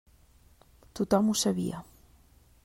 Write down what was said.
Tothom ho sabia.